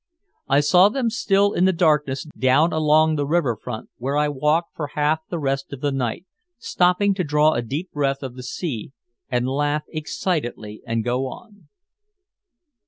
I saw them still in the darkness down along the river front, where I walked for half the rest of the night, stopping to draw a deep breath of the sea and laugh excitedly and go on.